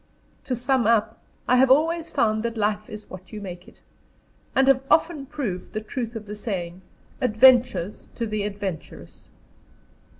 To sum up, I have always found that life is what you make it, and have often proved the truth of the saying, "Adventures to the adventurous."